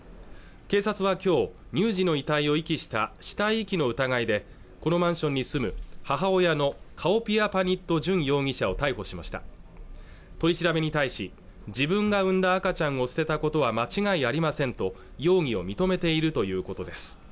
警察は今日乳児の遺体を遺棄した死体遺棄の疑いでこのマンションに住む母親のカオピアパニット・ジュン容疑者を逮捕しました取り調べに対し自分が産んだ赤ちゃんを捨てたことは間違いありませんと容疑を認めているということです